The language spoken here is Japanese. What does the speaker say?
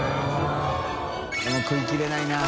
任食いきれないな。